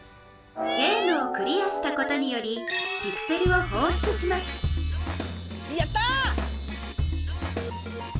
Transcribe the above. ゲームをクリアしたことによりピクセルをほうしゅつしますやった！